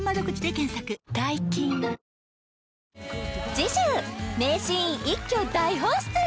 次週名シーン一挙大放出！